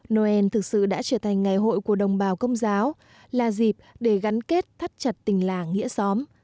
noel thực sự đã trở thành ngày hội của đồng bào công giáo là dịp để gắn kết thắt chặt tình làng nghĩa xóm